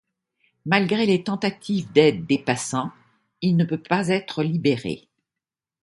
Malgré les tentatives d'aide des passants, il ne peut pas être libéré.